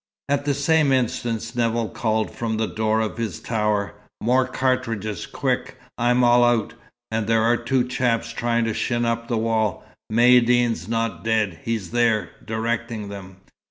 At the same instant Nevill called from the door of his tower: "More cartridges, quick! I'm all out, and there are two chaps trying to shin up the wall. Maïeddine's not dead. He's there, directing 'em."